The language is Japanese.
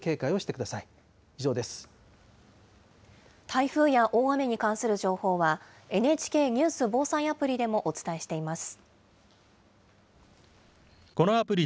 台風や大雨に関する情報は、ＮＨＫニュース・防災アプリでもお伝えしています。